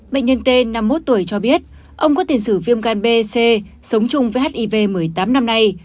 bệnh nhân t năm mươi một tuổi cho biết ông có tiền sử viêm gan b c sống chung với hiv một mươi tám năm nay